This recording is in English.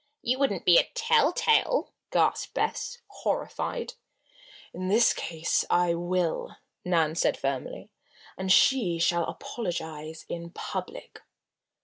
"You wouldn't be a tell tale?" gasped Bess, horrified. "In this case I will," Nan said firmly. "And she shall apologize in public."